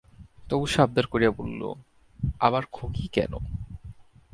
তবু সে আব্দার করিয়া বলিল, আবার খুঁকি কেন?